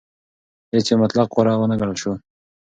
هیڅ یو مطلق غوره ونه ګڼل شو.